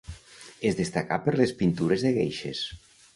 Es destacà per les pintures de geishes.